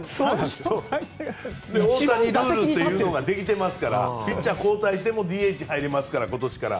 大谷ルールっていうのができてますからピッチャー交代してもＤＨ入れますから、今年から。